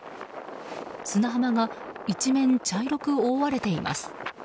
砂浜が一面、茶色く覆われています。